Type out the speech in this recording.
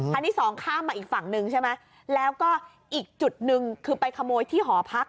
ที่สองข้ามมาอีกฝั่งหนึ่งใช่ไหมแล้วก็อีกจุดหนึ่งคือไปขโมยที่หอพัก